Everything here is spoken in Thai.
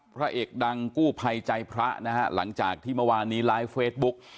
พระเอกดังกู้ภัยใจพระนะฮะหลังจากที่เมื่อวานนี้ไลฟ์เฟซบุ๊ก